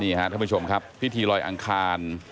ท่านผู้ชมครับพิธีลอยอังคาร